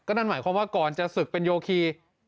นั่นหมายความว่าก่อนจะศึกเป็นโยคี